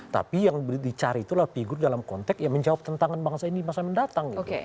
tapi yang dicari itulah figur dalam konteks yang menjawab tentangan bangsa ini masa mendatang gitu